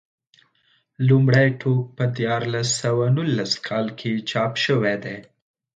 لومړی ټوک په دیارلس سوه نولس کال کې چاپ شوی دی.